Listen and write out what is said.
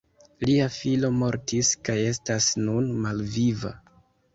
Lia filo mortis kaj estas nun malviva.